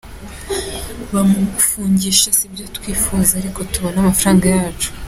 Kumufungisha sibyo twifuza ariko tubone amafaranga yacu.